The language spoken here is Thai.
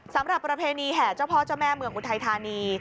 ประเพณีแห่เจ้าพ่อเจ้าแม่เมืองอุทัยธานี